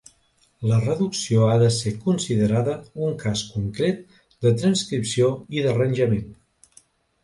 La reducció ha de ser considerada un cas concret de transcripció i d'arranjament.